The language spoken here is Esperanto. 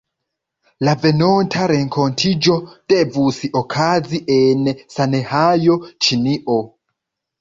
La venonta renkontiĝo devus okazi en Ŝanhajo, Ĉinio.